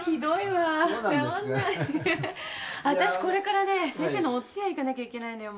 わたしこれからね先生のお通夜行かなきゃいけないのよ。